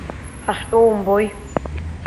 Ҳахьтәоу умбои?